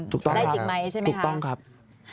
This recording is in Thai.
ได้จิกไหมใช่ไหมคะถูกต้องครับถูกต้อง